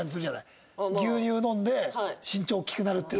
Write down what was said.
牛乳飲んで身長大きくなるっていう。